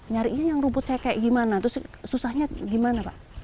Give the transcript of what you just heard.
nyarinya yang rumputnya kayak gimana terus susahnya gimana pak